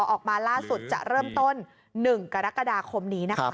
ออกมาล่าสุดจะเริ่มต้น๑กรกฎาคมนี้นะคะ